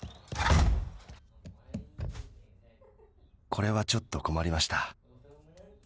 これはちょっと困りました。